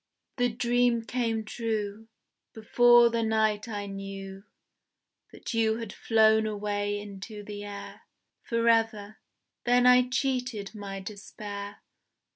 The dream came true. Before the night I knew That you had flown away into the air Forever. Then I cheated my despair.